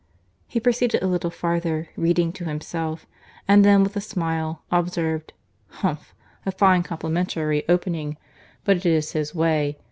He proceeded a little farther, reading to himself; and then, with a smile, observed, "Humph! a fine complimentary opening: But it is his way.